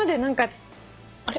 あれ？